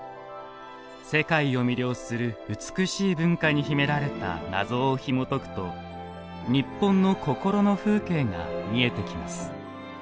世界を魅了する美しい文化に秘められた謎をひもとくと日本の心の風景が見えてきます。